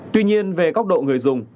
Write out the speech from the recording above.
tuy nhiên về góc độ người dùng